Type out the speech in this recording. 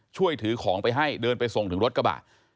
ถือของไปให้เดินไปส่งถึงรถกระบะ